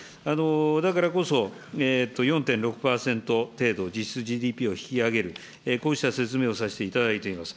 だからこそ、４．６％程度実質ＧＤＰを引き上げる、こうした説明をさせていただいております。